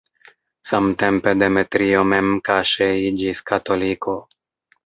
Samtempe Demetrio mem kaŝe iĝis katoliko.